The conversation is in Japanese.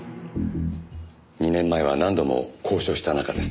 ２年前は何度も交渉した仲です。